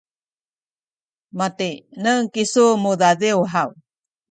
matineng kisu mudadiw haw?